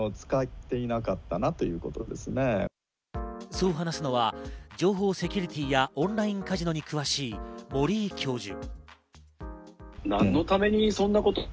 そう話すのは、情報セキュリティーやオンラインカジノに詳しい森井教授。